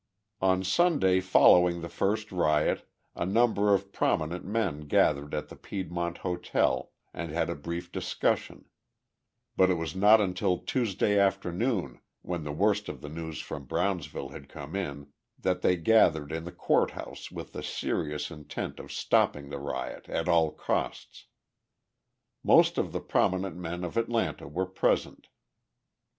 On Sunday following the first riot a number of prominent men gathered at the Piedmont Hotel, and had a brief discussion; but it was not until Tuesday afternoon, when the worst of the news from Brownsville had come in, that they gathered in the court house with the serious intent of stopping the riot at all costs. Most of the prominent men of Atlanta were present.